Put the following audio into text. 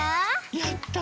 やったね。